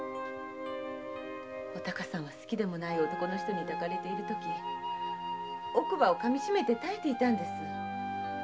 お孝さんは好きでもない男の人に抱かれているとき奥歯を噛みしめて耐えていたんです。